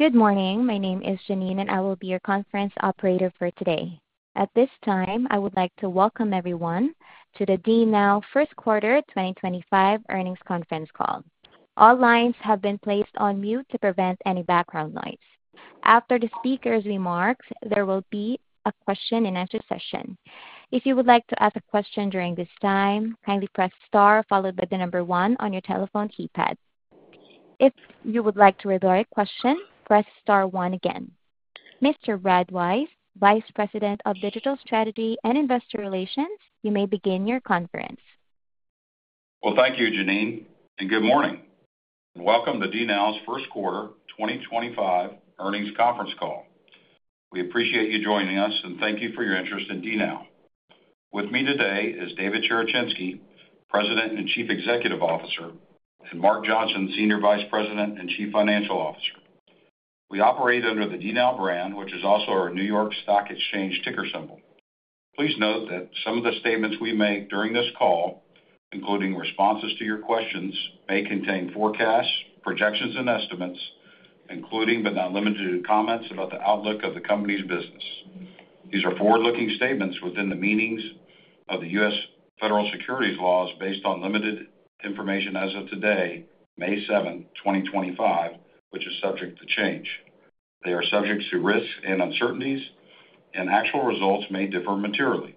Good morning. My name is Janine, and I will be your conference operator for today. At this time, I would like to welcome everyone to the DNOW first quarter 2025 earnings conference call. All lines have been placed on mute to prevent any background noise. After the speaker's remarks, there will be a question-and-answer session. If you would like to ask a question during this time, kindly press star followed by the number one on your telephone keypad. If you would like to resolve a question, press star one again. Mr. Brad Wise, Vice President of Digital Strategy and Investor Relations, you may begin your conference. Thank you, Janine, and good morning. Welcome to DNOW's first quarter 2025 earnings conference call. We appreciate you joining us, and thank you for your interest in DNOW. With me today is David Cherechinsky, President and Chief Executive Officer, and Mark Johnson, Senior Vice President and Chief Financial Officer. We operate under the DNOW brand, which is also our New York Stock Exchange ticker symbol. Please note that some of the statements we make during this call, including responses to your questions, may contain forecasts, projections, and estimates, including but not limited to comments about the outlook of the company's business. These are forward-looking statements within the meanings of the U.S. federal securities laws based on limited information as of today, May 7, 2025, which is subject to change. They are subject to risks and uncertainties, and actual results may differ materially.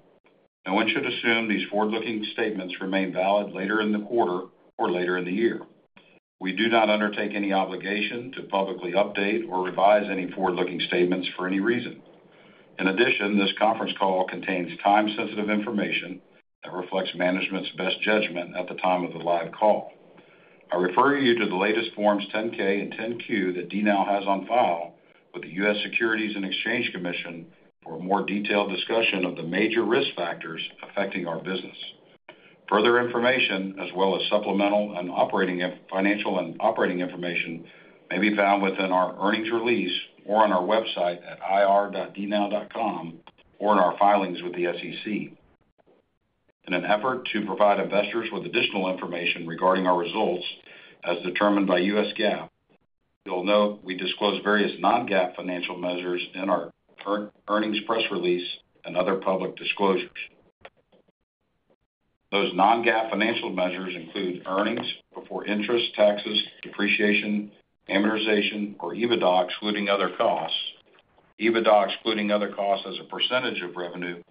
No one should assume these forward-looking statements remain valid later in the quarter or later in the year. We do not undertake any obligation to publicly update or revise any forward-looking statements for any reason. In addition, this conference call contains time-sensitive information that reflects management's best judgment at the time of the live call. I refer you to the latest Forms 10-K and 10-Q that DNOW has on file with the U.S. Securities and Exchange Commission for a more detailed discussion of the major risk factors affecting our business. Further information, as well as supplemental and operating financial and operating information, may be found within our earnings release or on our website at ir.dnow.com or in our filings with the SEC. In an effort to provide investors with additional information regarding our results, as determined by U.S. GAAP, you'll note we disclose various non-GAAP financial measures in our current earnings press release and other public disclosures. Those non-GAAP financial measures include earnings before interest, taxes, depreciation, amortization, or EBITDA, excluding other costs, EBITDA, excluding other costs as a percentage of revenue,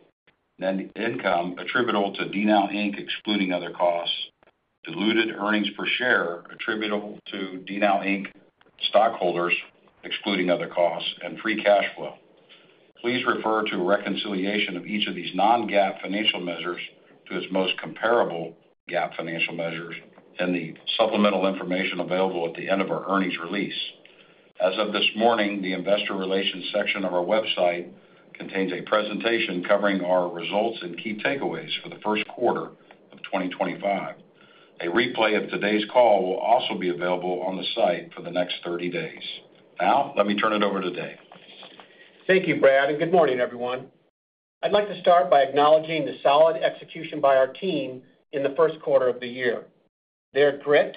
net income attributable to DNOW Inc, excluding other costs, diluted earnings per share attributable to DNOW Inc stockholders, excluding other costs, and free cash flow. Please refer to a reconciliation of each of these non-GAAP financial measures to its most comparable GAAP financial measures in the supplemental information available at the end of our earnings release. As of this morning, the investor relations section of our website contains a presentation covering our results and key takeaways for the first quarter of 2025. A replay of today's call will also be available on the site for the next 30 days. Now, let me turn it over to Dave. Thank you, Brad, and good morning, everyone. I'd like to start by acknowledging the solid execution by our team in the first quarter of the year. Their grit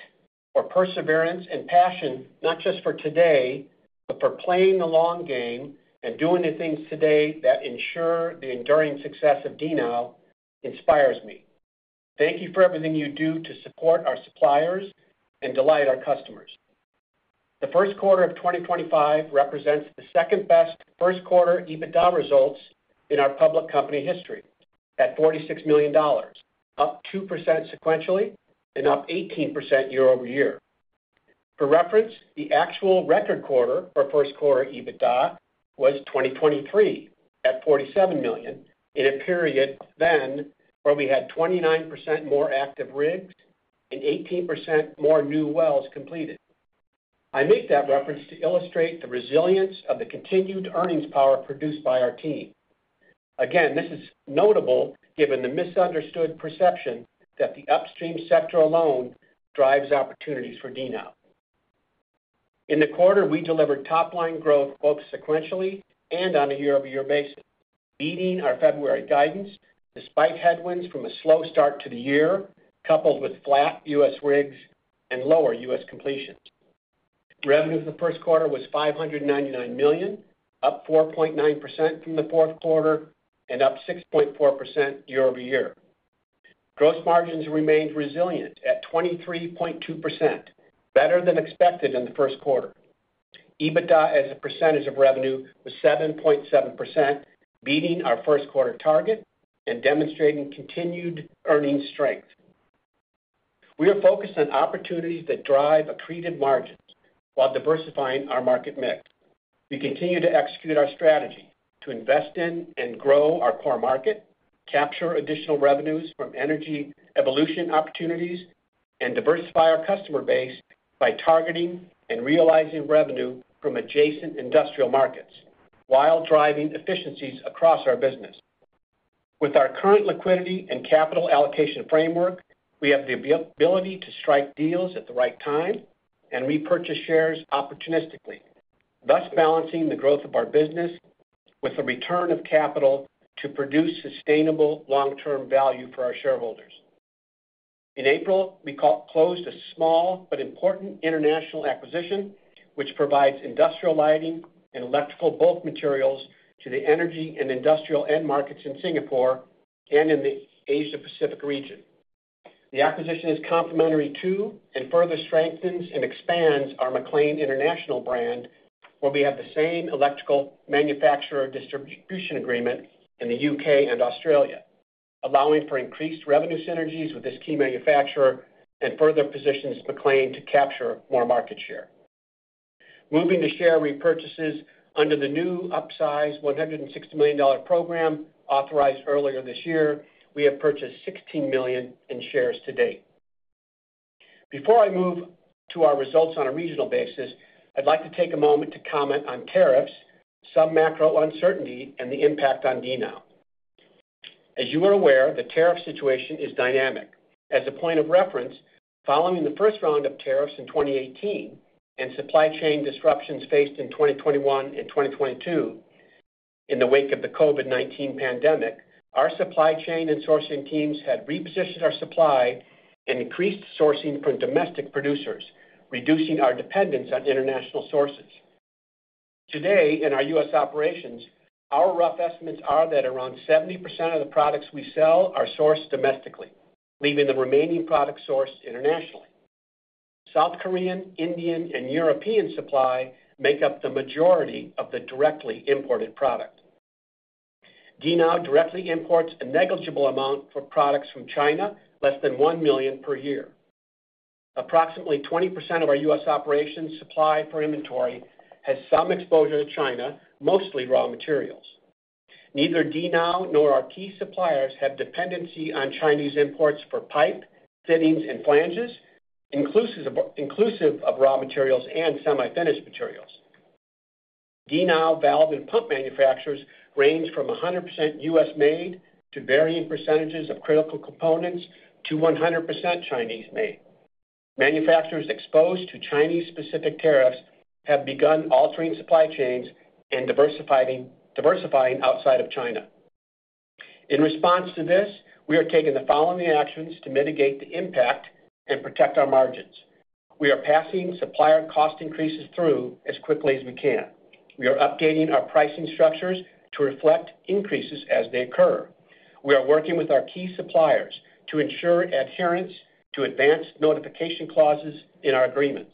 or perseverance and passion, not just for today, but for playing the long game and doing the things today that ensure the enduring success of DNOW, inspires me. Thank you for everything you do to support our suppliers and delight our customers. The first quarter of 2025 represents the second-best first quarter EBITDA results in our public company history at $46 million, up 2% sequentially and up 18% year-over-year. For reference, the actual record quarter for first quarter EBITDA was 2023 at $47 million in a period then where we had 29% more active rigs and 18% more new wells completed. I make that reference to illustrate the resilience of the continued earnings power produced by our team. Again, this is notable given the misunderstood perception that the upstream sector alone drives opportunities for DNOW. In the quarter, we delivered top-line growth both sequentially and on a year-over-year basis, beating our February guidance despite headwinds from a slow start to the year, coupled with flat U.S. rigs and lower U.S. completions. Revenue for the first quarter was $599 million, up 4.9% from the fourth quarter and up 6.4% year-over-year. Gross margins remained resilient at 23.2%, better than expected in the first quarter. EBITDA as a percentage of revenue was 7.7%, beating our first quarter target and demonstrating continued earnings strength. We are focused on opportunities that drive accreted margins while diversifying our market mix. We continue to execute our strategy to invest in and grow our core market, capture additional revenues from energy evolution opportunities, and diversify our customer base by targeting and realizing revenue from adjacent industrial markets while driving efficiencies across our business. With our current liquidity and capital allocation framework, we have the ability to strike deals at the right time and repurchase shares opportunistically, thus balancing the growth of our business with the return of capital to produce sustainable long-term value for our shareholders. In April, we closed a small but important international acquisition, which provides industrial lighting and electrical bulk materials to the energy and industrial end markets in Singapore and in the Asia-Pacific region. The acquisition is complementary to and further strengthens and expands our MacLean International brand, where we have the same electrical manufacturer distribution agreement in the U.K. and Australia, allowing for increased revenue synergies with this key manufacturer and further positions MacLean to capture more market share. Moving to share repurchases under the new upsize $160 million program authorized earlier this year, we have purchased $16 million in shares to date. Before I move to our results on a regional basis, I'd like to take a moment to comment on tariffs, some macro uncertainty, and the impact on DNOW. As you are aware, the tariff situation is dynamic. As a point of reference, following the first round of tariffs in 2018 and supply chain disruptions faced in 2021 and 2022 in the wake of the COVID-19 pandemic, our supply chain and sourcing teams had repositioned our supply and increased sourcing from domestic producers, reducing our dependence on international sources. Today, in our U.S. operations, our rough estimates are that around 70% of the products we sell are sourced domestically, leaving the remaining product sourced internationally. South Korean, Indian, and European supply make up the majority of the directly imported product. DNOW directly imports a negligible amount for products from China, less than $1 million per year. Approximately 20% of our U.S. operations' supply for inventory has some exposure to China, mostly raw materials. Neither DNOW nor our key suppliers have dependency on Chinese imports for pipe, fittings, and flanges, inclusive of raw materials and semi-finished materials. DNOW valve and pump manufacturers range from 100% U.S.-made to varying percentages of critical components to 100% Chinese-made. Manufacturers exposed to Chinese-specific tariffs have begun altering supply chains and diversifying outside of China. In response to this, we are taking the following actions to mitigate the impact and protect our margins. We are passing supplier cost increases through as quickly as we can. We are updating our pricing structures to reflect increases as they occur. We are working with our key suppliers to ensure adherence to advanced notification clauses in our agreements.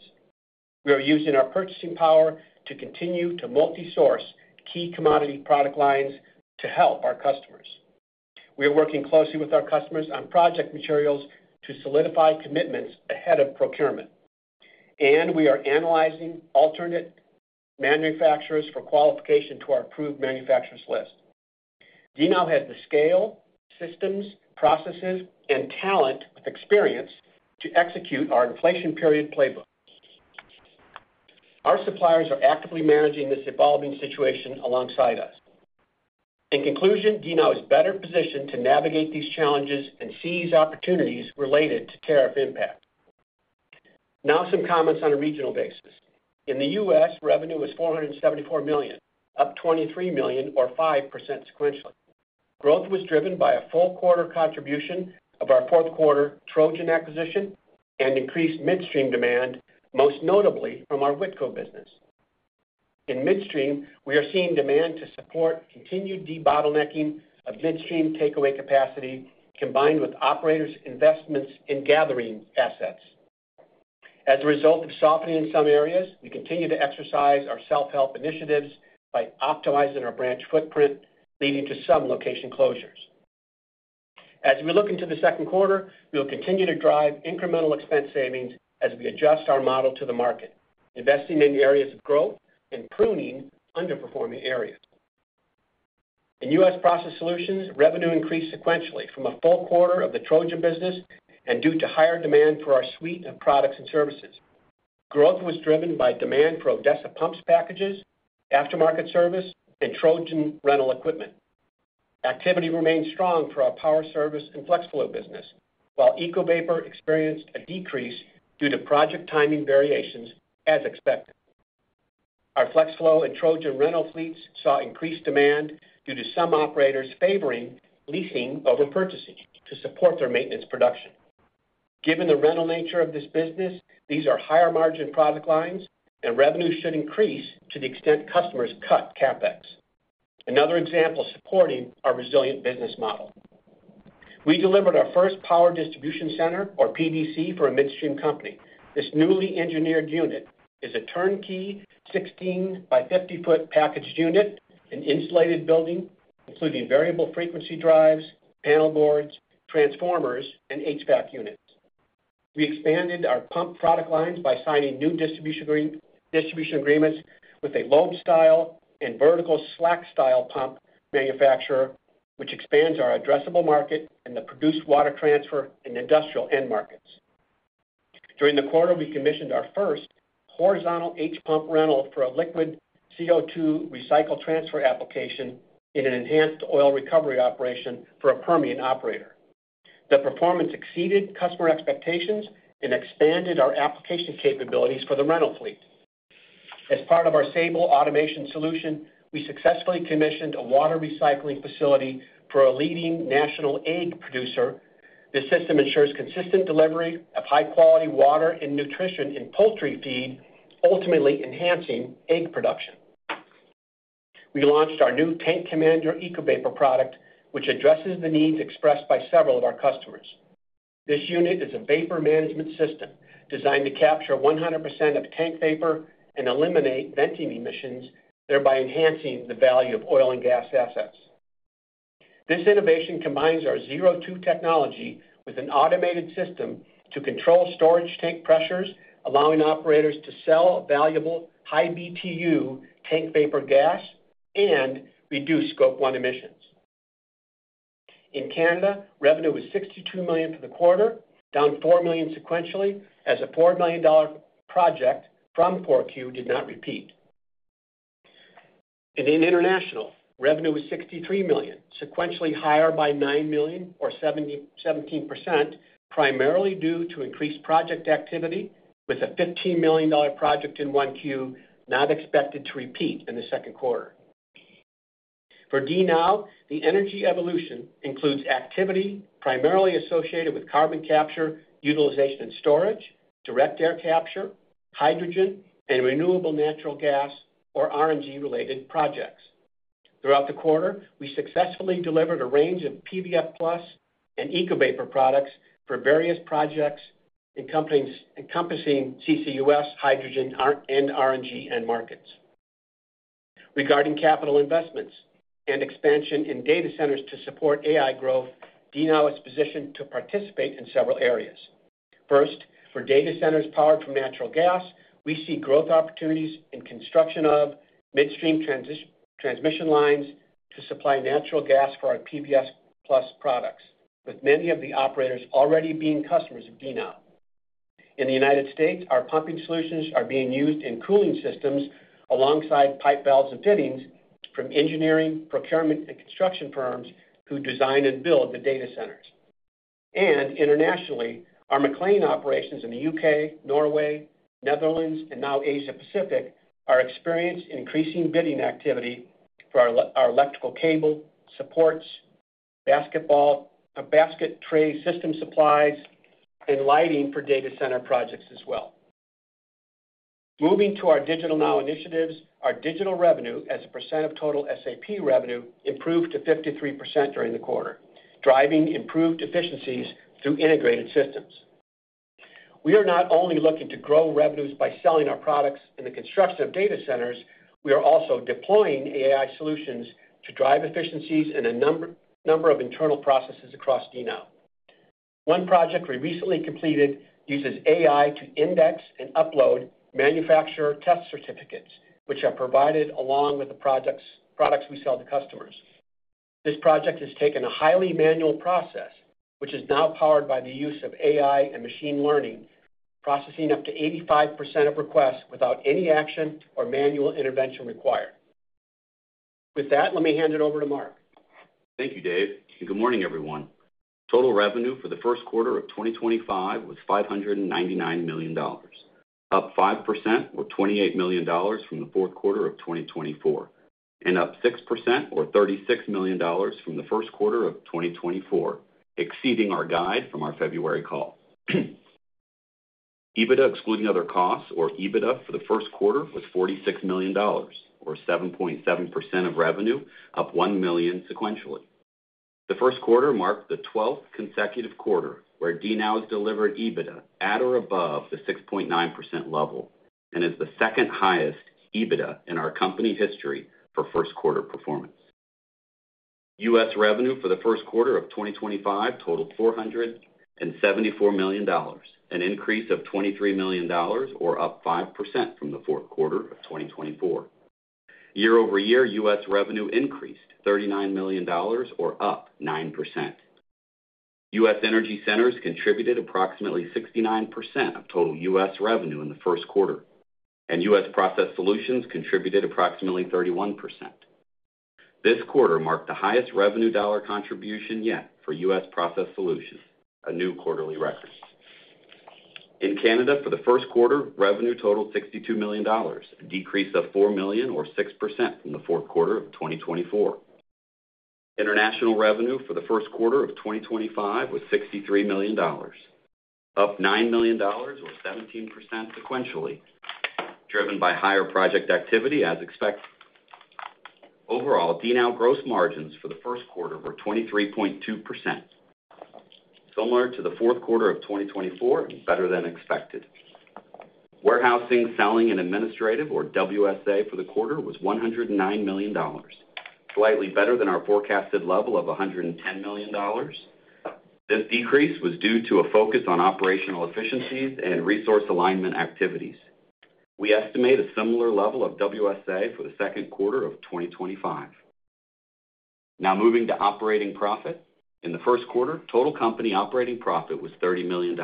We are using our purchasing power to continue to multi-source key commodity product lines to help our customers. We are working closely with our customers on project materials to solidify commitments ahead of procurement. We are analyzing alternate manufacturers for qualification to our approved manufacturers list. DNOW has the scale, systems, processes, and talent with experience to execute our inflation-period playbook. Our suppliers are actively managing this evolving situation alongside us. In conclusion, DNOW is better positioned to navigate these challenges and seize opportunities related to tariff impact. Now, some comments on a regional basis. In the U.S., revenue was $474 million, up $23 million, or 5% sequentially. Growth was driven by a full quarter contribution of our fourth quarter Trojan acquisition and increased midstream demand, most notably from our Whitco business. In midstream, we are seeing demand to support continued debottlenecking of midstream takeaway capacity combined with operators' investments in gathering assets. As a result of softening in some areas, we continue to exercise our self-help initiatives by optimizing our branch footprint, leading to some location closures. As we look into the second quarter, we will continue to drive incremental expense savings as we adjust our model to the market, investing in areas of growth and pruning underperforming areas. In U.S. process solutions, revenue increased sequentially from a full quarter of the Trojan business and due to higher demand for our suite of products and services. Growth was driven by demand for Odessa pumps packages, aftermarket service, and Trojan rental equipment. Activity remained strong for our power service and Flex Flow business, while EcoVapor experienced a decrease due to project timing variations, as expected. Our Flex Flow and Trojan rental fleets saw increased demand due to some operators favoring leasing over purchasing to support their maintenance production. Given the rental nature of this business, these are higher margin product lines, and revenue should increase to the extent customers cut CapEx. Another example supporting our resilient business model. We delivered our first power distribution center, or PDC, for a midstream company. This newly engineered unit is a turnkey 16 by 50-foot packaged unit, an insulated building, including variable frequency drives, panel boards, transformers, and HVAC units. We expanded our pump product lines by signing new distribution agreements with a lobe-style and vertical slack-style pump manufacturer, which expands our addressable market and the produced water transfer in industrial end markets. During the quarter, we commissioned our first horizontal H-Pump rental for a liquid CO2 recycle transfer application in an enhanced oil recovery operation for a Permian operator. The performance exceeded customer expectations and expanded our application capabilities for the rental fleet. As part of our Sable automation solution, we successfully commissioned a water recycling facility for a leading national egg producer. This system ensures consistent delivery of high-quality water and nutrition in poultry feed, ultimately enhancing egg production. We launched our new Tank Commander EcoVapor product, which addresses the needs expressed by several of our customers. This unit is a vapor management system designed to capture 100% of tank vapor and eliminate venting emissions, thereby enhancing the value of oil and gas assets. This innovation combines our ZerO2 technology with an automated system to control storage tank pressures, allowing operators to sell valuable high BTU tank vapor gas and reduce Scope 1 emissions. In Canada, revenue was $62 million for the quarter, down $4 million sequentially as a $4 million project from 4Q did not repeat. In international, revenue was $63 million, sequentially higher by $9 million or 17%, primarily due to increased project activity with a $15 million project in one quarter not expected to repeat in the second quarter. For DNOW, the energy evolution includes activity primarily associated with carbon capture, utilization and storage, direct air capture, hydrogen, and renewable natural gas or RNG-related projects. Throughout the quarter, we successfully delivered a range of PVF+and EcoVapor products for various projects encompassing CCUS, hydrogen, and RNG end markets. Regarding capital investments and expansion in data centers to support AI growth, DNOW is positioned to participate in several areas. First, for data centers powered from natural gas, we see growth opportunities in construction of midstream transmission lines to supply natural gas for our PVF+ products, with many of the operators already being customers of DNOW. In the U.S., our pumping solutions are being used in cooling systems alongside pipe valves and fittings from engineering, procurement, and construction firms who design and build the data centers. Internationally, our MacLean operations in the U.K., Norway, Netherlands, and now Asia-Pacific are experienced in increasing bidding activity for our electrical cable, supports, basket tray system supplies, and lighting for data center projects as well. Moving to our DigitalNOW initiatives, our digital revenue as a percent of total SAP revenue improved to 53% during the quarter, driving improved efficiencies through integrated systems. We are not only looking to grow revenues by selling our products in the construction of data centers; we are also deploying AI solutions to drive efficiencies in a number of internal processes across DNOW. One project we recently completed uses AI to index and upload manufacturer test certificates, which are provided along with the products we sell to customers. This project has taken a highly manual process, which is now powered by the use of AI and machine learning, processing up to 85% of requests without any action or manual intervention required. With that, let me hand it over to Mark. Thank you, Dave. Good morning, everyone. Total revenue for the first quarter of 2025 was $599 million, up 5% or $28 million from the fourth quarter of 2024, and up 6% or $36 million from the first quarter of 2024, exceeding our guide from our February call. EBITDA, excluding other costs or EBITDA for the first quarter, was $46 million, or 7.7% of revenue, up $1 million sequentially. The first quarter marked the 12th consecutive quarter where DNOW has delivered EBITDA at or above the 6.9% level and is the second highest EBITDA in our company history for first quarter performance. U.S. Revenue for the first quarter of 2025 totaled $474 million, an increase of $23 million, or up 5% from the fourth quarter of 2024. Year-over-year, U.S. revenue increased $39 million, or up 9%. U.S. energy centers contributed approximately 69% of total U.S. revenue in the first quarter, and U.S. process solutions contributed approximately 31%. This quarter marked the highest revenue dollar contribution yet for U.S. process solutions, a new quarterly record. In Canada, for the first quarter, revenue totaled $62 million, a decrease of $4 million, or 6% from the fourth quarter of 2024. International revenue for the first quarter of 2025 was $63 million, up $9 million, or 17% sequentially, driven by higher project activity as expected. Overall, DNOW gross margins for the first quarter were 23.2%, similar to the fourth quarter of 2024 and better than expected. Warehousing, selling, and administrative, or WSA, for the quarter was $109 million, slightly better than our forecasted level of $110 million. This decrease was due to a focus on operational efficiencies and resource alignment activities. We estimate a similar level of WSA for the second quarter of 2025. Now, moving to operating profit. In the first quarter, total company operating profit was $30 million.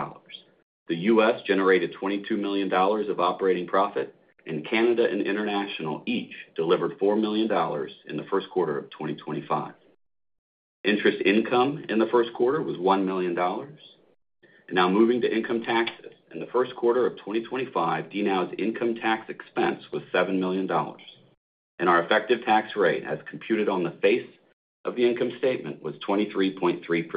The U.S. generated $22 million of operating profit, and Canada and international each delivered $4 million in the first quarter of 2025. Interest income in the first quarter was $1 million. Now, moving to income taxes. In the first quarter of 2025, DNOW's income tax expense was $7 million, and our effective tax rate, as computed on the face of the income statement, was 23.3%.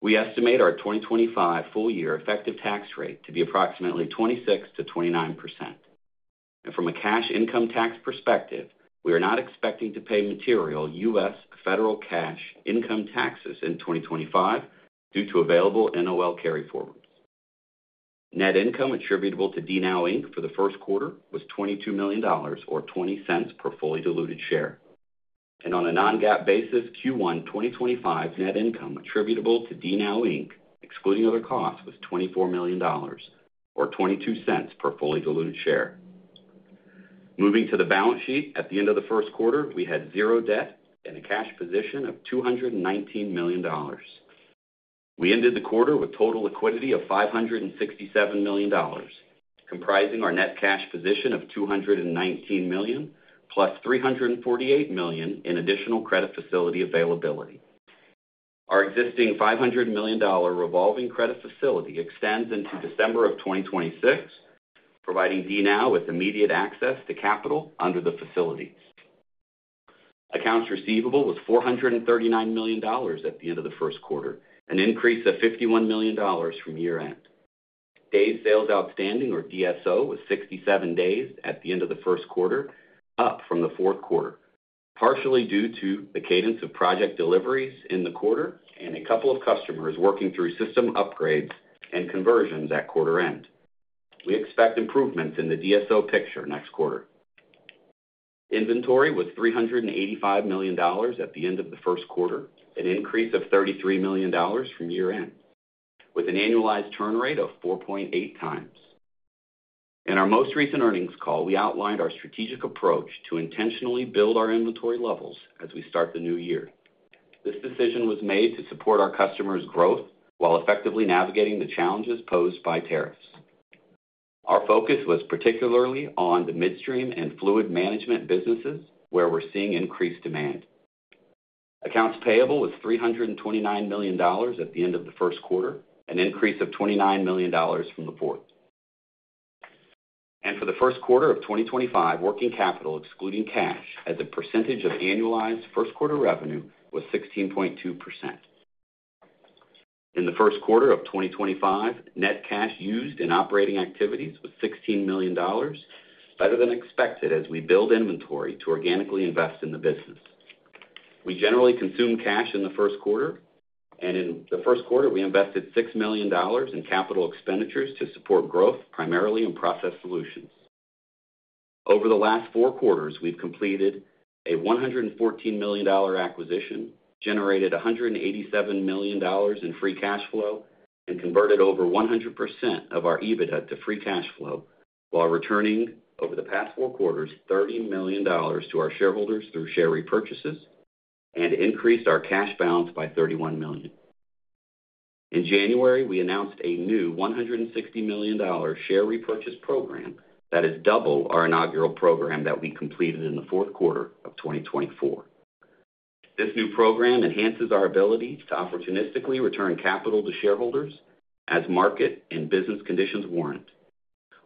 We estimate our 2025 full-year effective tax rate to be approximately 26%-29%. From a cash income tax perspective, we are not expecting to pay material U.S. federal cash income taxes in 2025 due to available NOL carryforwards. Net income attributable to DNOW for the first quarter was $22 million, or $0.20 per fully diluted share. On a non-GAAP basis, Q1 2025 net income attributable to DNOW, excluding other costs, was $24 million, or $0.22 per fully diluted share. Moving to the balance sheet, at the end of the first quarter, we had zero debt and a cash position of $219 million. We ended the quarter with total liquidity of $567 million, comprising our net cash position of $219 million plus $348 million in additional credit facility availability. Our existing $500 million revolving credit facility extends into December of 2026, providing DNOW with immediate access to capital under the facility. Accounts receivable was $439 million at the end of the first quarter, an increase of $51 million from year-end. Days sales outstanding, or DSO, was 67 days at the end of the first quarter, up from the fourth quarter, partially due to the cadence of project deliveries in the quarter and a couple of customers working through system upgrades and conversions at quarter-end. We expect improvements in the DSO picture next quarter. Inventory was $385 million at the end of the first quarter, an increase of $33 million from year-end, with an annualized turn rate of 4.8x. In our most recent earnings call, we outlined our strategic approach to intentionally build our inventory levels as we start the new year. This decision was made to support our customers' growth while effectively navigating the challenges posed by tariffs. Our focus was particularly on the midstream and fluid management businesses, where we're seeing increased demand. Accounts payable was $329 million at the end of the first quarter, an increase of $29 million from the fourth. For the first quarter of 2025, working capital, excluding cash, as a percentage of annualized first-quarter revenue was 16.2%. In the first quarter of 2025, net cash used in operating activities was $16 million, better than expected as we build inventory to organically invest in the business. We generally consume cash in the first quarter, and in the first quarter, we invested $6 million in capital expenditures to support growth, primarily in process solutions. Over the last four quarters, we've completed a $114 million acquisition, generated $187 million in free cash flow, and converted over 100% of our EBITDA to free cash flow, while returning over the past four quarters $30 million to our shareholders through share repurchases and increased our cash balance by $31 million. In January, we announced a new $160 million share repurchase program that is double our inaugural program that we completed in the fourth quarter of 2024. This new program enhances our ability to opportunistically return capital to shareholders as market and business conditions warrant,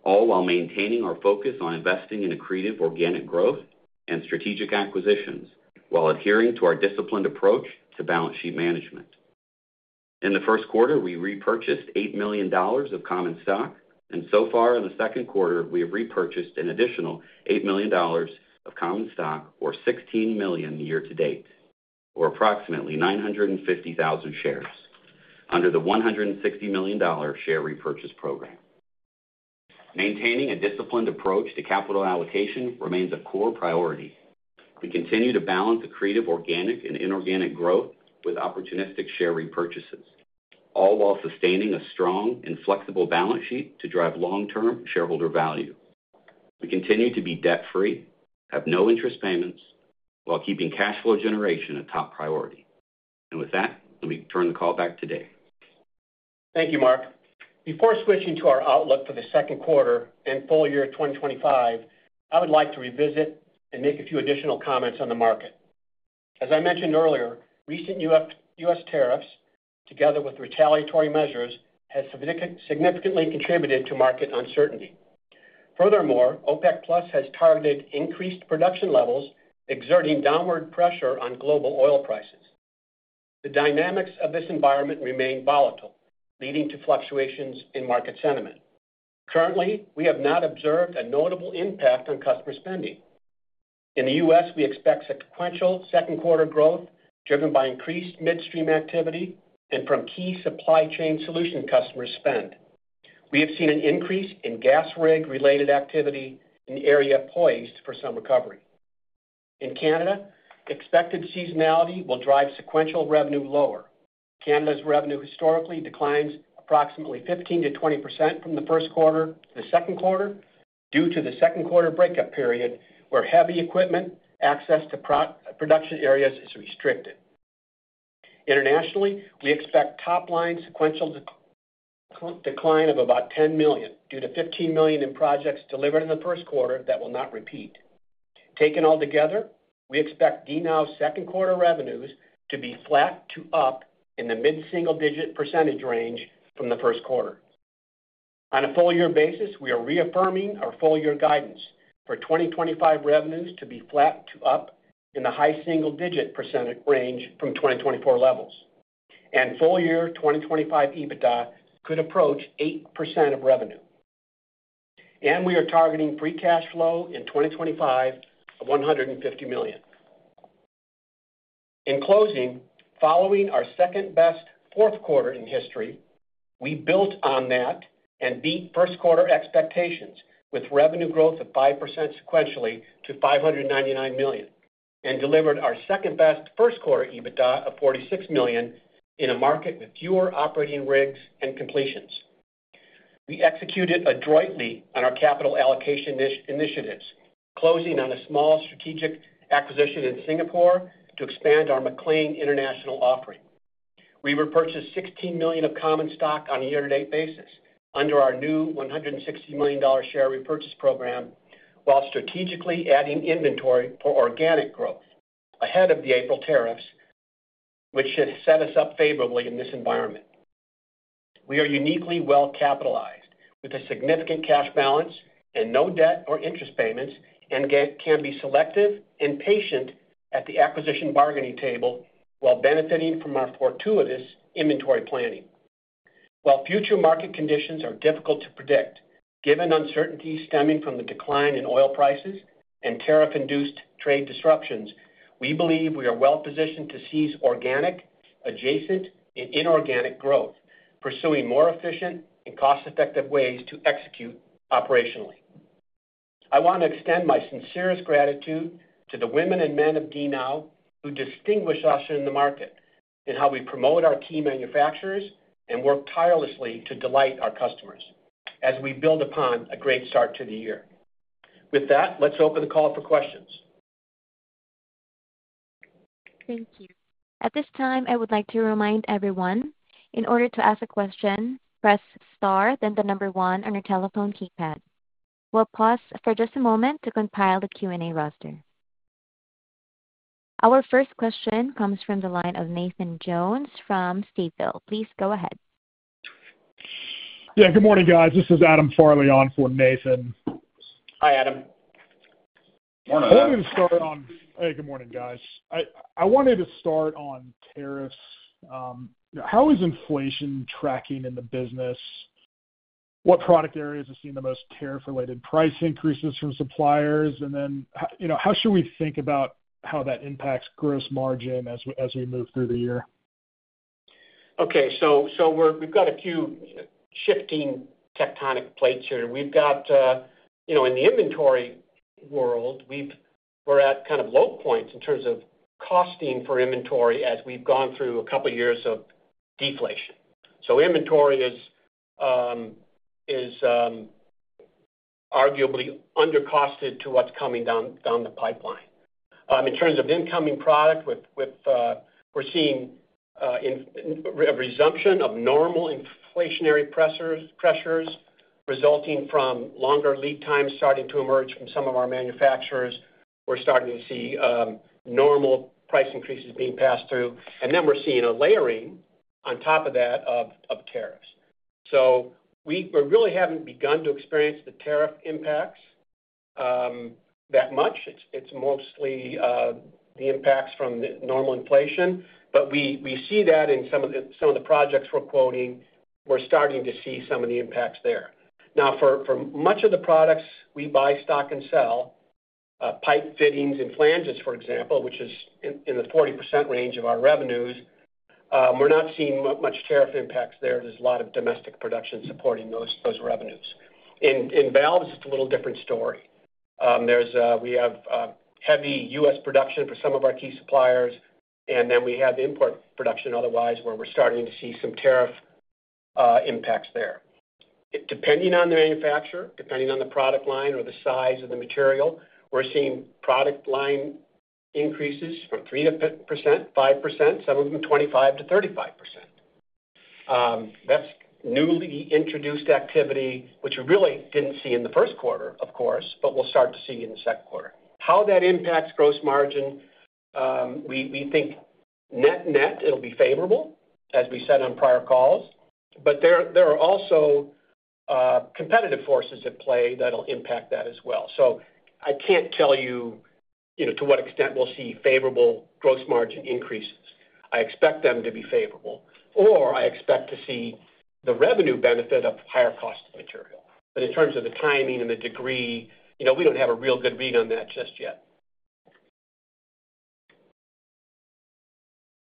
all while maintaining our focus on investing in accretive organic growth and strategic acquisitions while adhering to our disciplined approach to balance sheet management. In the first quarter, we repurchased $8 million of common stock, and so far in the second quarter, we have repurchased an additional $8 million of common stock, or $16 million year-to-date, or approximately 950,000 shares under the $160 million share repurchase program. Maintaining a disciplined approach to capital allocation remains a core priority. We continue to balance accretive organic and inorganic growth with opportunistic share repurchases, all while sustaining a strong and flexible balance sheet to drive long-term shareholder value. We continue to be debt-free, have no interest payments, while keeping cash flow generation a top priority. With that, let me turn the call back to Dave. Thank you, Mark. Before switching to our outlook for the second quarter and full year 2025, I would like to revisit and make a few additional comments on the market. As I mentioned earlier, recent U.S. Tariffs, together with retaliatory measures, have significantly contributed to market uncertainty. Furthermore, OPEC+ has targeted increased production levels, exerting downward pressure on global oil prices. The dynamics of this environment remain volatile, leading to fluctuations in market sentiment. Currently, we have not observed a notable impact on customer spending. In the U.S., we expect sequential second-quarter growth driven by increased midstream activity and from key supply chain solution customers' spend. We have seen an increase in gas rig-related activity in the area poised for some recovery. In Canada, expected seasonality will drive sequential revenue lower. Canada's revenue historically declines approximately 15%-20% from the first quarter to the second quarter due to the second-quarter breakup period, where heavy equipment access to production areas is restricted. Internationally, we expect top-line sequential decline of about $10 million due to $15 million in projects delivered in the first quarter that will not repeat. Taken all together, we expect DNOW's second-quarter revenues to be flat to up in the mid-single-digit percentage range from the first quarter. On a full-year basis, we are reaffirming our full-year guidance for 2025 revenues to be flat to up in the high single-digit percentage range from 2024 levels, and full-year 2025 EBITDA could approach 8% of revenue. We are targeting free cash flow in 2025 of $150 million. In closing, following our second-best fourth quarter in history, we built on that and beat first-quarter expectations with revenue growth of 5% sequentially to $599 million and delivered our second-best first-quarter EBITDA of $46 million in a market with fewer operating rigs and completions. We executed adroitly on our capital allocation initiatives, closing on a small strategic acquisition in Singapore to expand our MacLean International offering. We repurchased $16 million of common stock on a year-to-date basis under our new $160 million share repurchase program, while strategically adding inventory for organic growth ahead of the April tariffs, which should set us up favorably in this environment. We are uniquely well-capitalized with a significant cash balance and no debt or interest payments and can be selective and patient at the acquisition bargaining table while benefiting from our fortuitous inventory planning. While future market conditions are difficult to predict, given uncertainty stemming from the decline in oil prices and tariff-induced trade disruptions, we believe we are well-positioned to seize organic, adjacent, and inorganic growth, pursuing more efficient and cost-effective ways to execute operationally. I want to extend my sincerest gratitude to the women and men of DNOW who distinguish us in the market in how we promote our key manufacturers and work tirelessly to delight our customers as we build upon a great start to the year. With that, let's open the call for questions. Thank you. At this time, I would like to remind everyone, in order to ask a question, press star, then the number one on your telephone keypad. We'll pause for just a moment to compile the Q&A roster. Our first question comes from the line of Nathan Jones from Stifel. Please go ahead. Yeah, good morning, guys. This is Adam Farley on for Nathan. Hi, Adam. Morning, Adam. Let me start on—hey, good morning, guys. I wanted to start on tariffs. How is inflation tracking in the business? What product areas are seeing the most tariff-related price increases from suppliers? How should we think about how that impacts gross margin as we move through the year? Okay, we've got a few shifting tectonic plates here. In the inventory world, we're at kind of low points in terms of costing for inventory as we've gone through a couple of years of deflation. Inventory is arguably under-costed to what's coming down the pipeline. In terms of incoming product, we're seeing a resumption of normal inflationary pressures resulting from longer lead times starting to emerge from some of our manufacturers. We're starting to see normal price increases being passed through. We're seeing a layering on top of that of tariffs. We really haven't begun to experience the tariff impacts that much. It's mostly the impacts from normal inflation, but we see that in some of the projects we're quoting. We're starting to see some of the impacts there. Now, for much of the products we buy, stock, and sell, pipe fittings and flanges, for example, which is in the 40% range of our revenues, we're not seeing much tariff impacts there. There's a lot of domestic production supporting those revenues. In valves, it's a little different story. We have heavy U.S. production for some of our key suppliers, and then we have import production otherwise, where we're starting to see some tariff impacts there. Depending on the manufacturer, depending on the product line or the size of the material, we're seeing product line increases from 3%-5%, some of them 25%-35%. That's newly introduced activity, which we really didn't see in the first quarter, of course, but we'll start to see in the second quarter. How that impacts gross margin, we think net-net, it'll be favorable, as we said on prior calls, but there are also competitive forces at play that'll impact that as well. I can't tell you to what extent we'll see favorable gross margin increases. I expect them to be favorable, or I expect to see the revenue benefit of higher cost of material. In terms of the timing and the degree, we don't have a real good read on that just yet.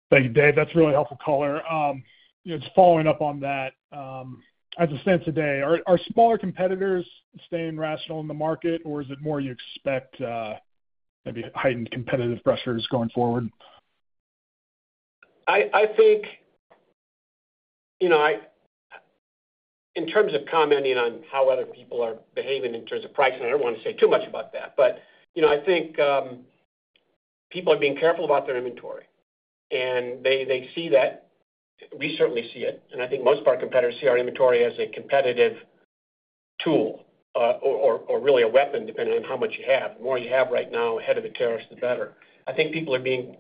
Thank you, Dave. That's a really helpful caller. Just following up on that, as of today, are smaller competitors staying rational in the market, or is it more you expect maybe heightened competitive pressures going forward? I think, in terms of commenting on how other people are behaving in terms of pricing, I do not want to say too much about that, but I think people are being careful about their inventory, and they see that. We certainly see it, and I think most of our competitors see our inventory as a competitive tool or really a weapon, depending on how much you have. The more you have right now, ahead of the tariffs, the better. I think people are being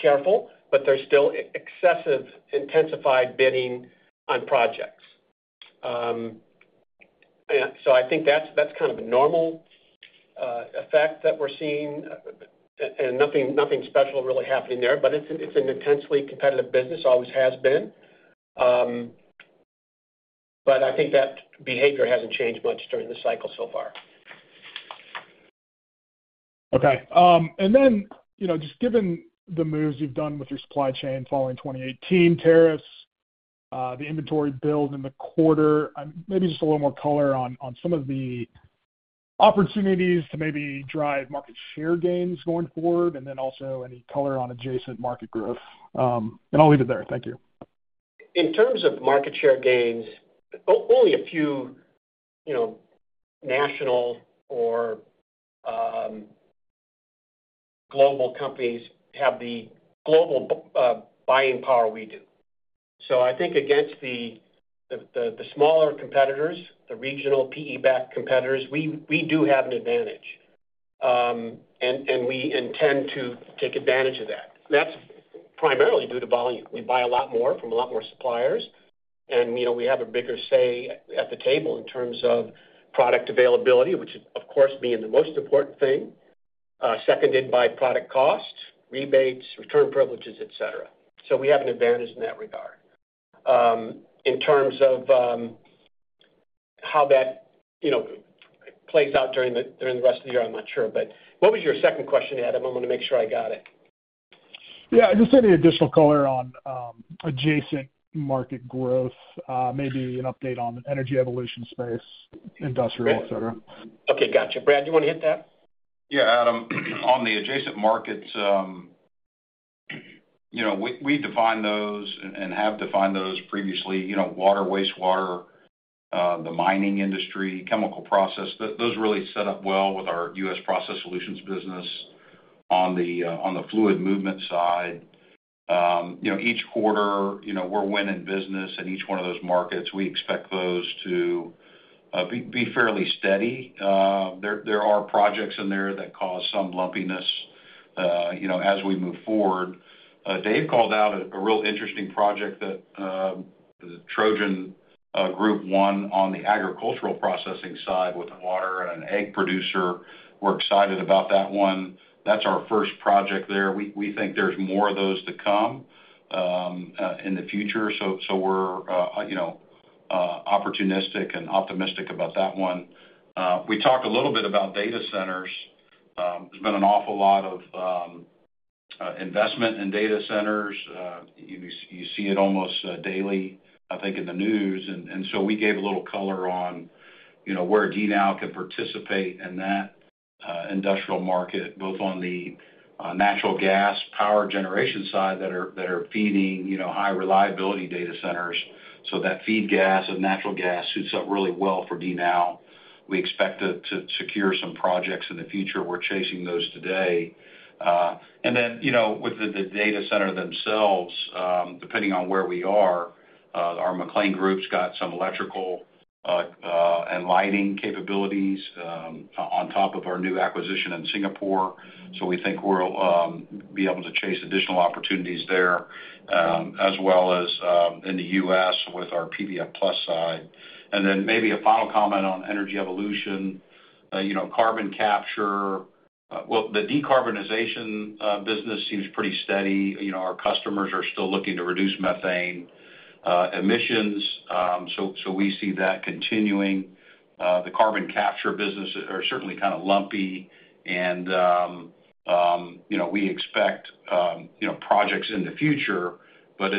careful, but there is still excessive intensified bidding on projects. I think that is kind of a normal effect that we are seeing, and nothing special really happening there, but it is an intensely competitive business, always has been. I think that behavior has not changed much during the cycle so far. Okay. Just given the moves you have done with your supply chain following 2018 tariffs, the inventory build in the quarter, maybe just a little more color on some of the opportunities to maybe drive market share gains going forward, and then also any color on adjacent market growth. I will leave it there. Thank you. In terms of market share gains, only a few national or global companies have the global buying power we do. I think against the smaller competitors, the regional PE-backed competitors, we do have an advantage, and we intend to take advantage of that. That is primarily due to volume. We buy a lot more from a lot more suppliers, and we have a bigger say at the table in terms of product availability, which is, of course, the most important thing, seconded by product cost, rebates, return privileges, etc. We have an advantage in that regard. In terms of how that plays out during the rest of the year, I'm not sure, but what was your second question, Adam? I want to make sure I got it. Yeah, just any additional color on adjacent market growth, maybe an update on the energy evolution space, industrial, etc. Okay, gotcha. Brad, you want to hit that? Yeah, Adam. On the adjacent markets, we define those and have defined those previously: water, wastewater, the mining industry, chemical process. Those really set up well with our U.S. process solutions business on the fluid movement side. Each quarter, we're winning business in each one of those markets. We expect those to be fairly steady. There are projects in there that cause some lumpiness as we move forward. Dave called out a real interesting project that the Trojan Group won on the agricultural processing side with water and an egg producer. We're excited about that one. That's our first project there. We think there's more of those to come in the future, so we're opportunistic and optimistic about that one. We talked a little bit about data centers. There's been an awful lot of investment in data centers. You see it almost daily, I think, in the news. We gave a little color on where DNOW can participate in that industrial market, both on the natural gas power generation side that are feeding high-reliability data centers, so that feed gas and natural gas suits up really well for DNOW. We expect to secure some projects in the future. We're chasing those today. With the data centers themselves, depending on where we are, our MacLean Group's got some electrical and lighting capabilities on top of our new acquisition in Singapore. We think we'll be able to chase additional opportunities there, as well as in the U.S. with our PVF+ side. Maybe a final comment on energy evolution, carbon capture. The decarbonization business seems pretty steady. Our customers are still looking to reduce methane emissions, so we see that continuing. The carbon capture business is certainly kind of lumpy, and we expect projects in the future, but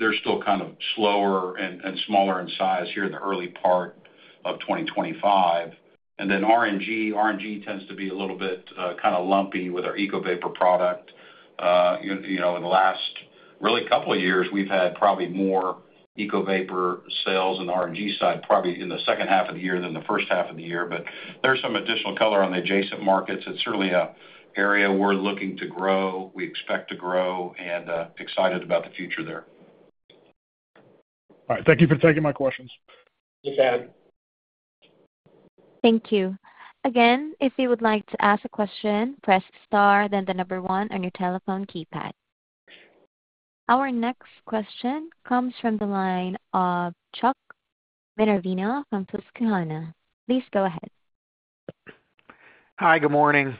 they're still kind of slower and smaller in size here in the early part of 2025. RNG tends to be a little bit kind of lumpy with our EcoVapor product. In the last really couple of years, we've had probably more EcoVapor sales on the RNG side, probably in the second half of the year than the first half of the year. There's some additional color on the adjacent markets. It's certainly an area we're looking to grow. We expect to grow and excited about the future there. All right. Thank you for taking my questions. Thanks, Adam. Thank you. Again, if you would like to ask a question, press star, then the number one on your telephone keypad. Our next question comes from the line of Chuck Minervino from Susquehanna. Please go ahead. Hi, good morning.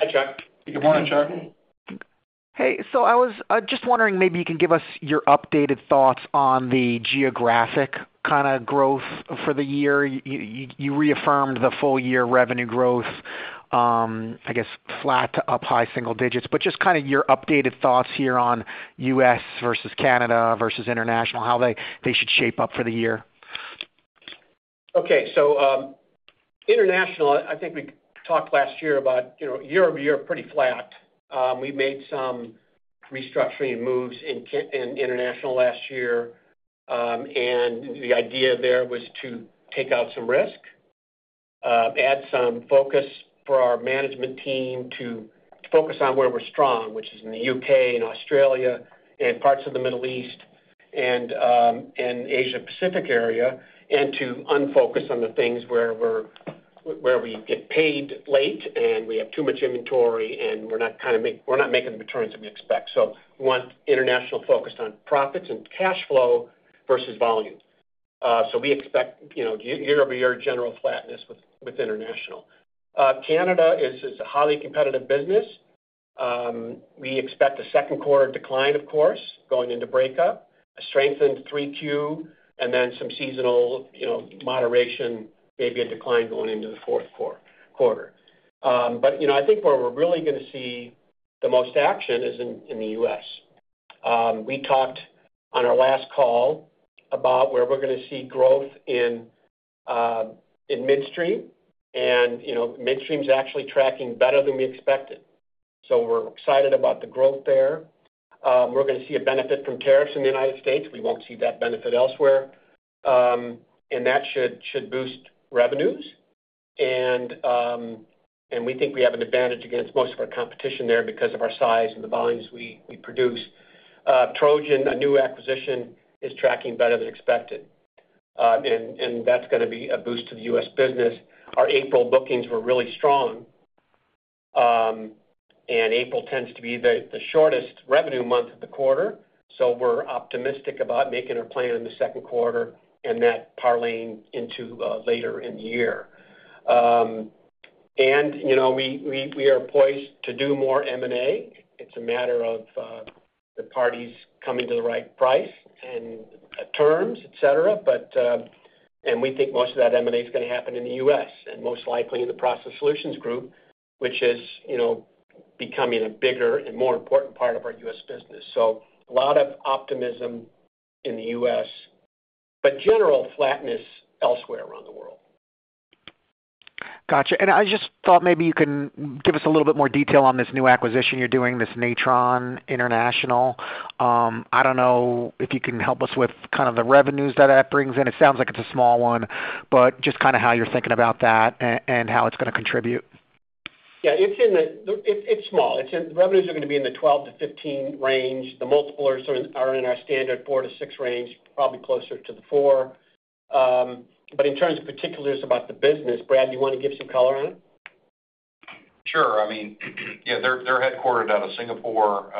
Hi, Chuck. Good morning, Chuck. Hey, I was just wondering maybe you can give us your updated thoughts on the geographic kind of growth for the year. You reaffirmed the full-year revenue growth, I guess, flat to up high single digits, but just kind of your updated thoughts here on U.S. versus Canada versus international, how they should shape up for the year. Okay, so international, I think we talked last year about year-over-year pretty flat. We made some restructuring moves in international last year, and the idea there was to take out some risk, add some focus for our management team to focus on where we're strong, which is in the U.K. and Australia and parts of the Middle East and Asia-Pacific area, and to unfocus on the things where we get paid late and we have too much inventory and we're not making the returns that we expect. We want international focused on profits and cash flow versus volume. We expect year over year general flatness with international. Canada is a highly competitive business. We expect a second quarter decline, of course, going into breakup, a strengthened third quarter, and then some seasonal moderation, maybe a decline going into the fourth quarter. I think where we're really going to see the most action is in the U.S. We talked on our last call about where we're going to see growth in midstream, and midstream is actually tracking better than we expected. We are excited about the growth there. We are going to see a benefit from tariffs in the U.S. We will not see that benefit elsewhere, and that should boost revenues. We think we have an advantage against most of our competition there because of our size and the volumes we produce. Trojan, a new acquisition, is tracking better than expected, and that is going to be a boost to the U.S. business. Our April bookings were really strong, and April tends to be the shortest revenue month of the quarter, so we're optimistic about making our plan in the second quarter and that parlaying into later in the year. We are poised to do more M&A. It's a matter of the parties coming to the right price and terms, etc. We think most of that M&A is going to happen in the U.S. and most likely in the process solutions group, which is becoming a bigger and more important part of our U.S. business. A lot of optimism in the U.S., but general flatness elsewhere around the world. Gotcha. I just thought maybe you can give us a little bit more detail on this new acquisition you're doing, this Natron International. I don't know if you can help us with kind of the revenues that that brings in. It sounds like it is a small one, but just kind of how you are thinking about that and how it is going to contribute. Yeah, it is small. The revenues are going to be in the $12-$15 million range. The multiples are in our standard 4-6 range, probably closer to the 4. But in terms of particulars about the business, Brad, do you want to give some color on it? Sure. I mean, yeah, they are headquartered out of Singapore.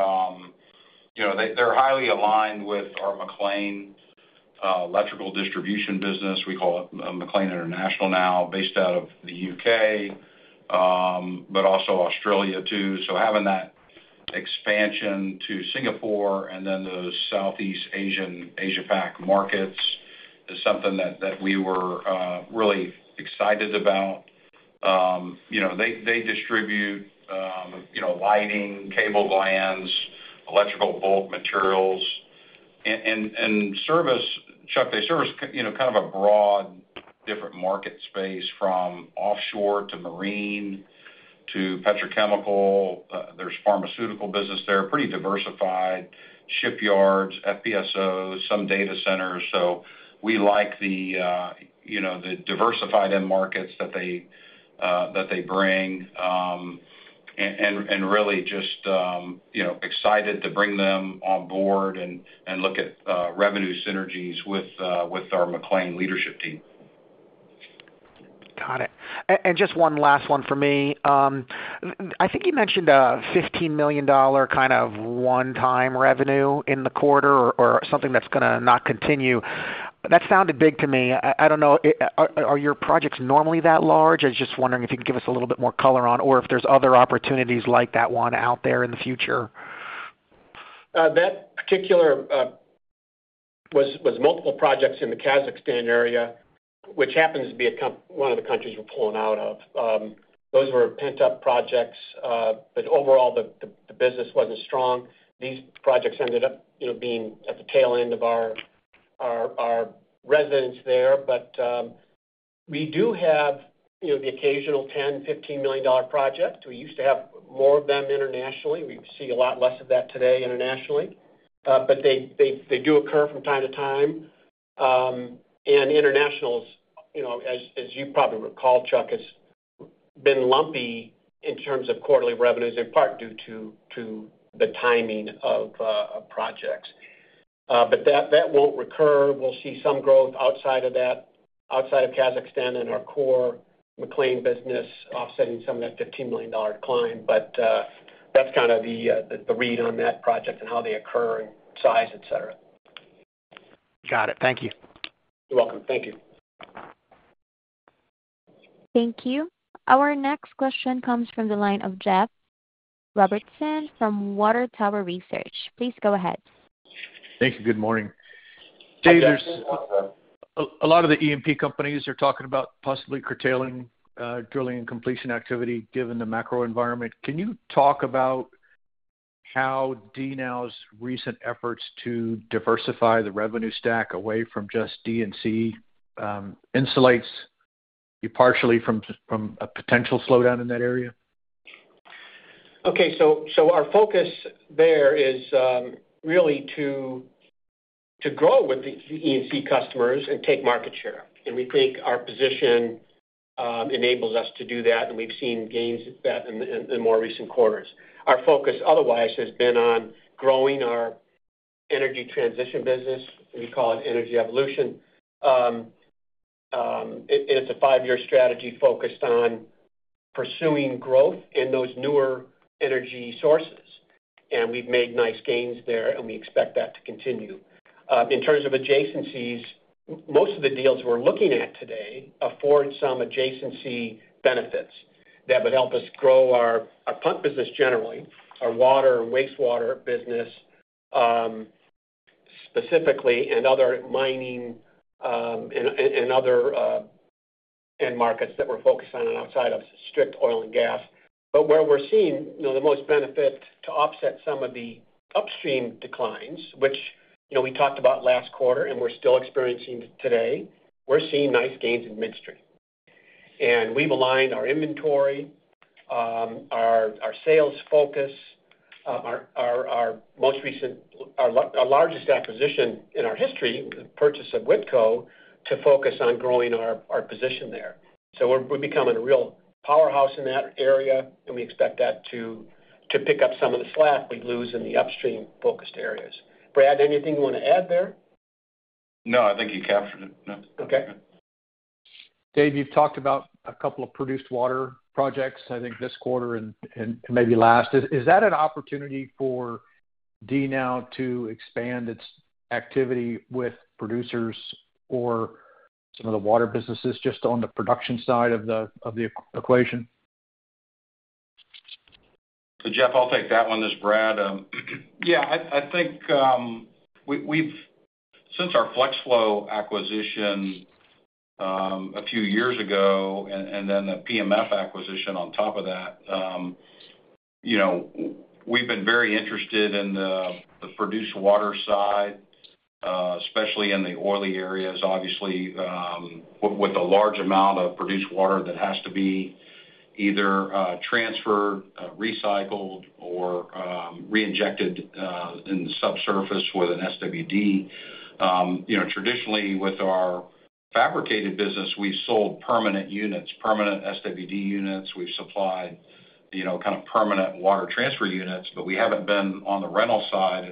They are highly aligned with our MacLean electrical distribution business. We call it MacLean International now, based out of the U.K., but also Australia too. Having that expansion to Singapore and then those Southeast Asian Asia-Pac markets is something that we were really excited about. They distribute lighting, cable glands, electrical bulk materials, and service, Chuck, they service kind of a broad different market space from offshore to marine to petrochemical. There's pharmaceutical business there, pretty diversified, shipyards, FPSOs, some data centers. We like the diversified end markets that they bring and really just excited to bring them on board and look at revenue synergies with our MacLean leadership team. Got it. Just one last one for me. I think you mentioned a $15 million kind of one-time revenue in the quarter or something that's going to not continue. That sounded big to me. I do not know, are your projects normally that large? I was just wondering if you can give us a little bit more color on or if there's other opportunities like that one out there in the future. That particular was multiple projects in the Kazakhstan area, which happens to be one of the countries we're pulling out of. Those were pent-up projects, but overall, the business was not strong. These projects ended up being at the tail end of our residence there, but we do have the occasional $10 million, $15 million project. We used to have more of them internationally. We see a lot less of that today internationally, but they do occur from time to time. And internationals, as you probably recall, Chuck, has been lumpy in terms of quarterly revenues, in part due to the timing of projects. That will not recur. We will see some growth outside of that, outside of Kazakhstan and our core MacLean business offsetting some of that $15 million decline. That is kind of the read on that project and how they occur and size, etc. Got it. Thank you. You are welcome. Thank you. Thank you. Our next question comes from the line of Jeff Robertson from Water Tower Research. Please go ahead. Thank you. Good morning. Dave, there's a lot of the E&P companies are talking about possibly curtailing drilling and completion activity given the macro environment. Can you talk about how DNOW's recent efforts to diversify the revenue stack away from just D&C insulates you partially from a potential slowdown in that area? Okay, our focus there is really to grow with the E&C customers and take market share. We think our position enables us to do that, and we've seen gains in that in the more recent quarters. Our focus otherwise has been on growing our energy transition business. We call it energy evolution. It's a five-year strategy focused on pursuing growth in those newer energy sources, and we've made nice gains there, and we expect that to continue. In terms of adjacencies, most of the deals we're looking at today afford some adjacency benefits that would help us grow our pump business generally, our water and wastewater business specifically, and other mining and other end markets that we're focused on outside of strict oil and gas. Where we're seeing the most benefit to offset some of the upstream declines, which we talked about last quarter and we're still experiencing today, we're seeing nice gains in midstream. We've aligned our inventory, our sales focus, our largest acquisition in our history, the purchase of Whitco, to focus on growing our position there. We're becoming a real powerhouse in that area, and we expect that to pick up some of the slack we lose in the upstream focused areas. Brad, anything you want to add there? No, I think you captured it. Okay. Dave, you've talked about a couple of produced water projects, I think this quarter and maybe last. Is that an opportunity for DNOW to expand its activity with producers or some of the water businesses just on the production side of the equation? Jeff, I'll take that one. This is Brad. Yeah, I think since our Flex Flow acquisition a few years ago and then the PMF acquisition on top of that, we've been very interested in the produced water side, especially in the oily areas, obviously, with a large amount of produced water that has to be either transferred, recycled, or reinjected in the subsurface with an SWD. Traditionally, with our fabricated business, we've sold permanent units, permanent SWD units. We've supplied kind of permanent water transfer units, but we haven't been on the rental side.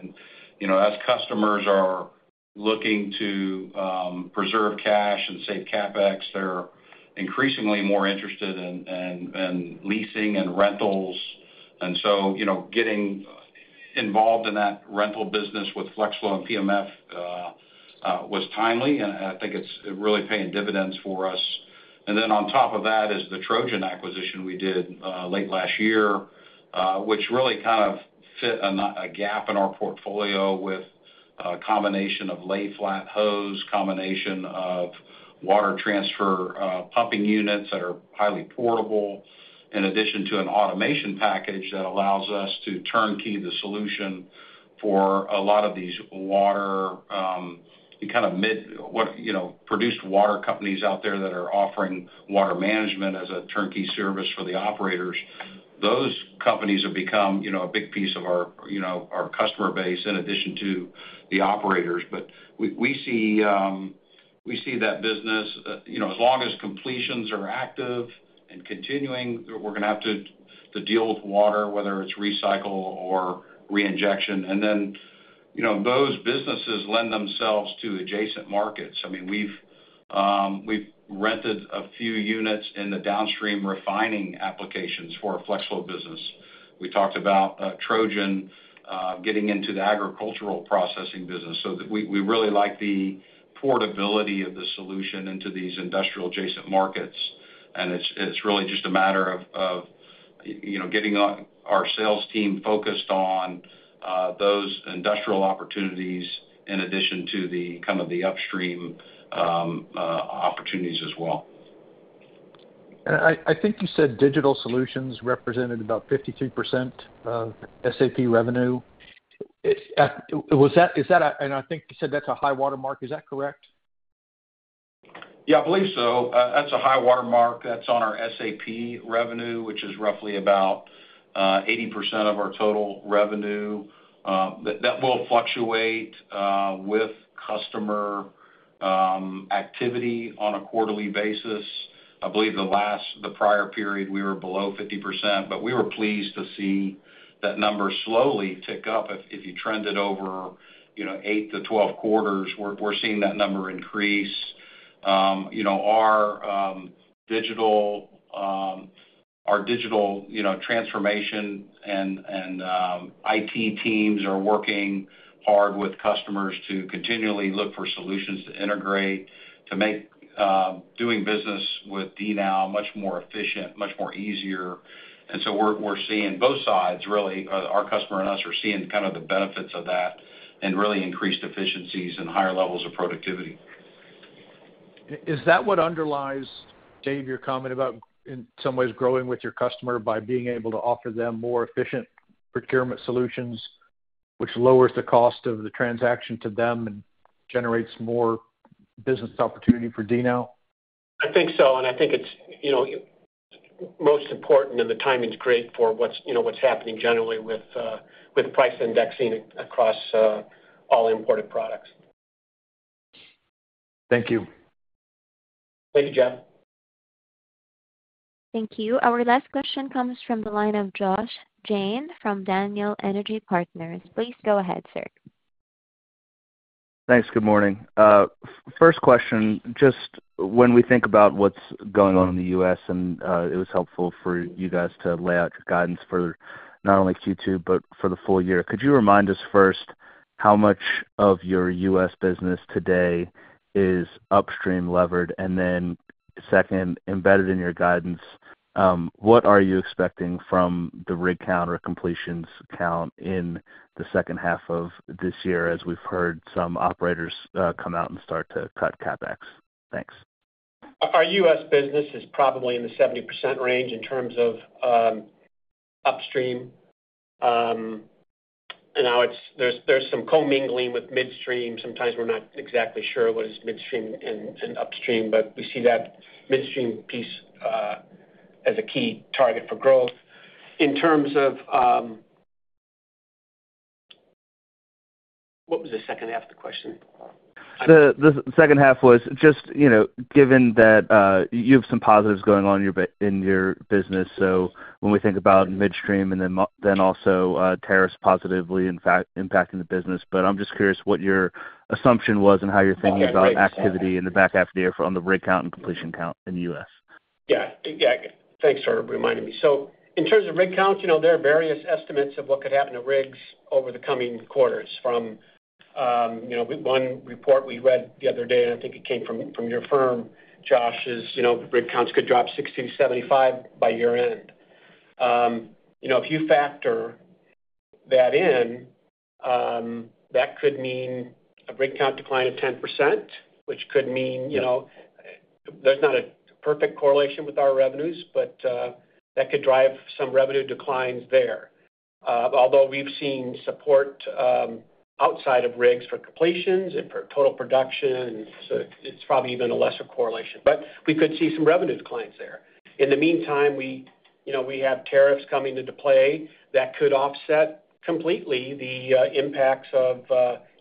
As customers are looking to preserve cash and save CapEx, they're increasingly more interested in leasing and rentals. Getting involved in that rental business with Flex Flow and PMF was timely, and I think it's really paying dividends for us. On top of that is the Trojan acquisition we did late last year, which really kind of fit a gap in our portfolio with a combination of lay-flat hose, a combination of water transfer pumping units that are highly portable, in addition to an automation package that allows us to turnkey the solution for a lot of these water kind of mid-produced water companies out there that are offering water management as a turnkey service for the operators. Those companies have become a big piece of our customer base in addition to the operators. We see that business, as long as completions are active and continuing, we're going to have to deal with water, whether it's recycle or reinjection. Those businesses lend themselves to adjacent markets. I mean, we've rented a few units in the downstream refining applications for our Flex Flow business. We talked about Trojan getting into the agricultural processing business. We really like the portability of the solution into these industrial adjacent markets. It's really just a matter of getting our sales team focused on those industrial opportunities in addition to the upstream opportunities as well. I think you said digital solutions represented about 52% of SAP revenue. Is that a—and I think you said that's a high watermark. Is that correct? Yeah, I believe so. That's a high watermark. That's on our SAP revenue, which is roughly about 80% of our total revenue. That will fluctuate with customer activity on a quarterly basis. I believe the prior period, we were below 50%, but we were pleased to see that number slowly tick up. If you trend it over 8-12 quarters, we're seeing that number increase. Our digital transformation and IT teams are working hard with customers to continually look for solutions to integrate, to make doing business with DNOW much more efficient, much more easy. We are seeing both sides, really. Our customer and us are seeing kind of the benefits of that and really increased efficiencies and higher levels of productivity. Is that what underlies, Dave, your comment about in some ways growing with your customer by being able to offer them more efficient procurement solutions, which lowers the cost of the transaction to them and generates more business opportunity for DNOW? I think so. I think it's most important, and the timing's great for what's happening generally with price indexing across all imported products. Thank you. Thank you, Jeff. Thank you. Our last question comes from the line of Josh Jayne from Daniel Energy Partners. Please go ahead, sir. Thanks. Good morning. First question, just when we think about what's going on in the U.S., and it was helpful for you guys to lay out your guidance for not only Q2, but for the full year. Could you remind us first how much of your U.S. Business today is upstream levered, and then second, embedded in your guidance, what are you expecting from the rig count or completions count in the second half of this year as we've heard some operators come out and start to cut CapEx? Thanks. Our U.S. business is probably in the 70% range in terms of upstream. And now there's some co-mingling with midstream. Sometimes we're not exactly sure what is midstream and upstream, but we see that midstream piece as a key target for growth. In terms of what was the second half of the question? The second half was just given that you have some positives going on in your business. When we think about midstream and then also tariffs positively impacting the business, I'm just curious what your assumption was and how you're thinking about activity in the back half of the year on the rig count and completion count in the U.S. Yeah. Thanks for reminding me. In terms of rig counts, there are various estimates of what could happen to rigs over the coming quarters. From one report we read the other day, and I think it came from your firm, Josh, rig counts could drop 60-75 by year-end. If you factor that in, that could mean a rig count decline of 10%, which could mean there's not a perfect correlation with our revenues, but that could drive some revenue declines there. Although we've seen support outside of rigs for completions and for total production, so it's probably even a lesser correlation, but we could see some revenue declines there. In the meantime, we have tariffs coming into play that could offset completely the impacts of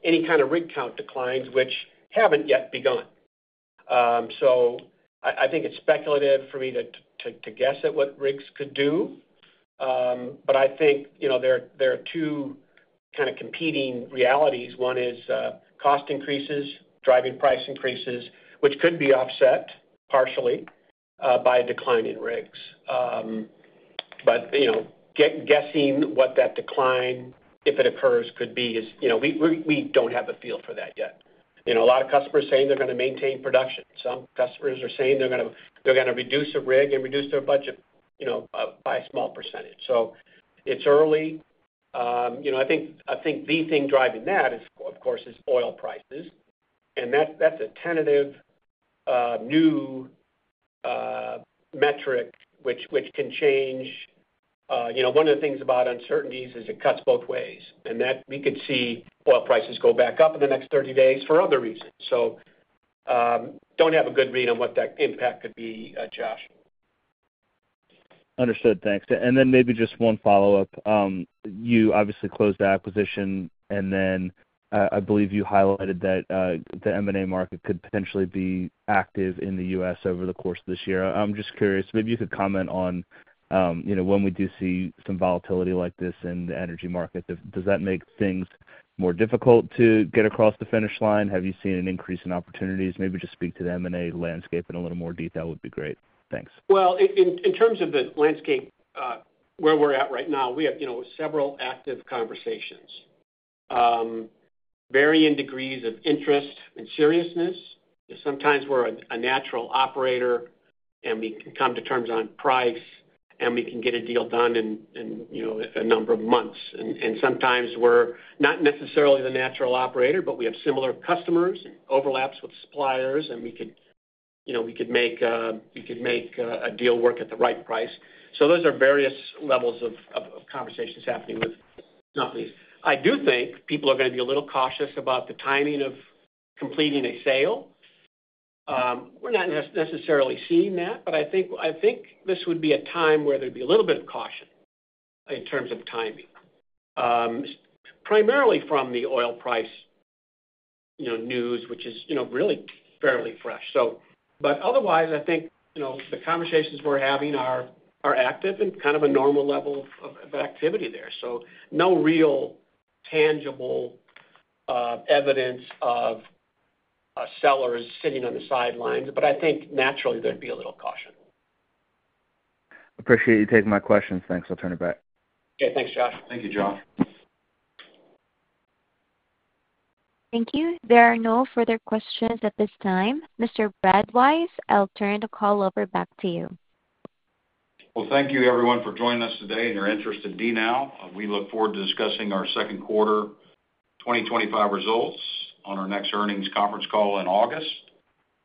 any kind of rig count declines, which have not yet begun. I think it's speculative for me to guess at what rigs could do, but I think there are two kind of competing realities. One is cost increases, driving price increases, which could be offset partially by declining rigs. Guessing what that decline, if it occurs, could be is we do not have a feel for that yet. A lot of customers are saying they're going to maintain production. Some customers are saying they're going to reduce a rig and reduce their budget by a small percentage. It's early. I think the thing driving that, of course, is oil prices. That is a tentative new metric, which can change. One of the things about uncertainties is it cuts both ways. We could see oil prices go back up in the next 30 days for other reasons. I do not have a good read on what that impact could be, Josh. Understood. Thanks. Maybe just one follow-up. You obviously closed the acquisition, and I believe you highlighted that the M&A market could potentially be active in the U.S. over the course of this year. I am just curious, maybe you could comment on when we do see some volatility like this in the energy market. Does that make things more difficult to get across the finish line? Have you seen an increase in opportunities? Maybe just speak to the M&A landscape in a little more detail would be great. Thanks. In terms of the landscape where we're at right now, we have several active conversations, varying degrees of interest and seriousness. Sometimes we're a natural operator, and we can come to terms on price, and we can get a deal done in a number of months. Sometimes we're not necessarily the natural operator, but we have similar customers and overlaps with suppliers, and we could make a deal work at the right price. Those are various levels of conversations happening with companies. I do think people are going to be a little cautious about the timing of completing a sale. We're not necessarily seeing that, but I think this would be a time where there'd be a little bit of caution in terms of timing, primarily from the oil price news, which is really fairly fresh. Otherwise, I think the conversations we're having are active and kind of a normal level of activity there. No real tangible evidence of sellers sitting on the sidelines, but I think naturally there'd be a little caution. Appreciate you taking my questions. Thanks. I'll turn it back. Thank you, Josh. Thank you. There are no further questions at this time. Mr. Brad Wise, I'll turn the call over back to you. Thank you, everyone, for joining us today and your interest in DNOW. We look forward to discussing our second quarter 2025 results on our next earnings conference call in August.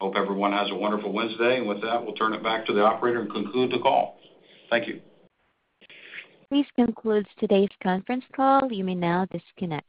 Hope everyone has a wonderful Wednesday. With that, we'll turn it back to the operator and conclude the call. Thank you. This concludes today's conference call. You may now disconnect.